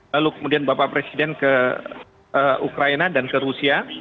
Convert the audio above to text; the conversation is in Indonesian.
lalu kemudian bapak presiden ke ukraina dan ke rusia